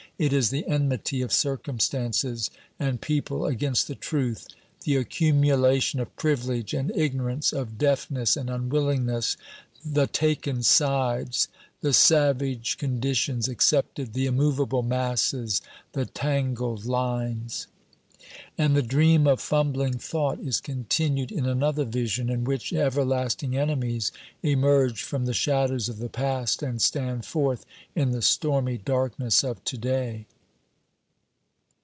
It is the enmity of circumstances and people against the truth, the accumulation of privilege and ignorance, of deafness and unwillingness, the taken sides, the savage conditions accepted, the immovable masses, the tangled lines. And the dream of fumbling thought is continued in another vision, in which everlasting enemies emerge from the shadows of the past and stand forth in the stormy darkness of to day.